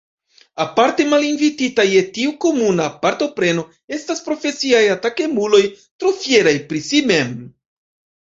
Aparte malinvititaj je tiu komuna partopreno estas profesiaj atakemuloj trofieraj pri si mem.